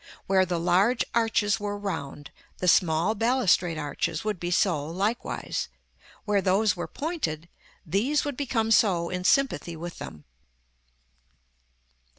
Where the large arches were round, the small balustrade arches would be so likewise; where those were pointed, these would become so in sympathy with them.